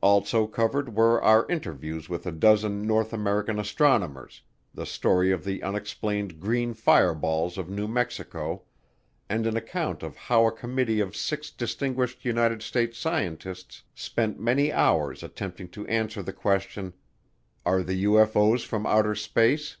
Also covered were our interviews with a dozen North American astronomers, the story of the unexplained green fireballs of New Mexico, and an account of how a committee of six distinguished United States scientists spent many hours attempting to answer the question, "Are the UFO's from outer space?"